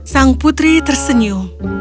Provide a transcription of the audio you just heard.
sang putri tersenyum